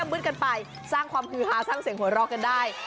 มืดกันไปสร้างความฮือฮาสร้างเสียงหัวเราะกันได้